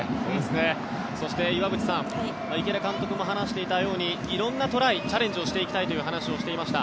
そして、岩渕さん池田監督も話していたように色んなトライチャレンジをしていきたいという話をしていました。